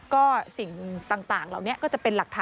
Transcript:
ก็สิ่งต่างเหล่านี้ก็จะเป็นหลักฐาน